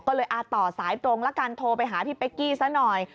ก็เลยต่อสายตรงละกันโทรไปหาพี่เป๊กกี้ซะหน่อย